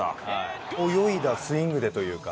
泳いだスイングでというか。